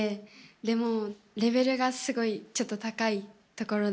でもレベルが、すごいちょっと高いところで。